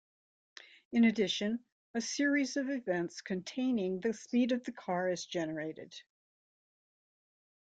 In addition, a series of events containing the speed of the car is generated.